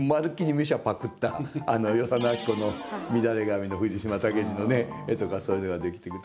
ミュシャパクったあの与謝野晶子の「みだれ髪」の藤島武二の絵とかそういうのができてくる。